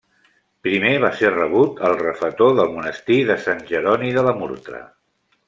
Primer va ser rebut al refetor del monestir de Sant Jeroni de la Murtra.